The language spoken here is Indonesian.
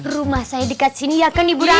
rumah saya dekat sini ya kan ibu lagi